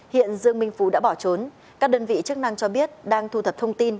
hiện dương minh phú đã bỏ trốn các đơn vị chức năng cho biết đang thu thập thông tin